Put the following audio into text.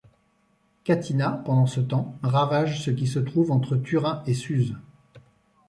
Catinat, pendant ce temps, ravage ce qui se trouve entre Turin et Suse.